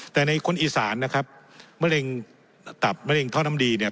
แต่ในคนอีสานนะครับมะเร็งตับมะเร็งท่อน้ำดีเนี่ย